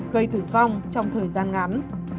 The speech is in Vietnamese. gây tử vong trong thời gian ngắn